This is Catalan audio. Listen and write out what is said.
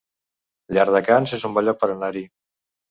Llardecans es un bon lloc per anar-hi